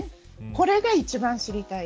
これが一番知りたい。